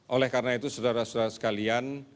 oleh karena itu saudara saudara sekalian